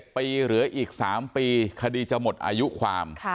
ปีเหลืออีก๓ปีคดีจะหมดอายุความ